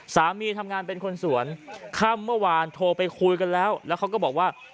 สามีทำงานเป็นคนสวนค่ำเมื่อวานโทรไปคุยกันแล้วแล้วเขาก็บอกว่า